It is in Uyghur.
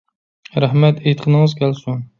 رەھمەت، ئېيتقىنىڭىز كەلسۇن.